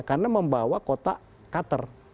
karena membawa kotak cutter